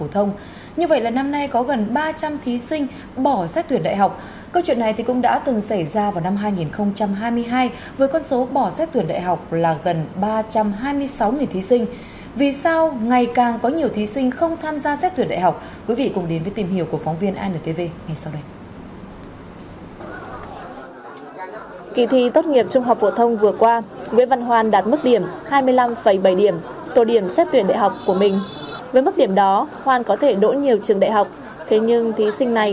tổ điểm xét tuyển đại học của mình với mức điểm đó hoan có thể đỗ nhiều trường đại học thế nhưng thí sinh này lại có một quyết định ngược dòng bỏ xét tuyển đại học để đi học trường nghề